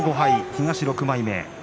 東６枚目。